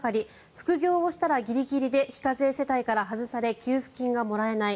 副業したらギリギリで非課税世帯から外され給付金がもらえない。